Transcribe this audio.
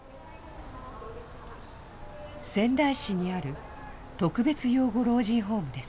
仙台市にある特別養護老人ホームです。